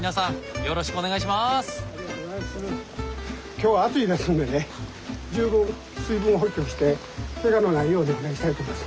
今日は暑いですんでね十分水分補給をしてケガのないようにお願いしたいと思います。